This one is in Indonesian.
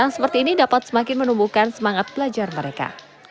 seperti ini dapat semakin menumbuhkan semangat pelajar mereka